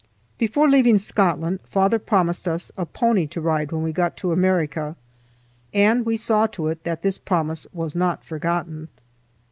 Before leaving Scotland, father promised us a pony to ride when we got to America, and we saw to it that this promise was not forgotten.